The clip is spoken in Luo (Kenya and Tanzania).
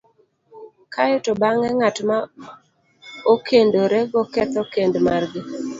kae to bang'e ng'at ma okendorego ketho kend margi,